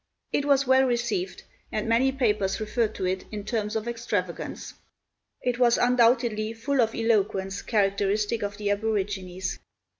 It was well received, and many papers referred to it in terms of extravagance. It was undoubtedly full of eloquence characteristic of the aborigines.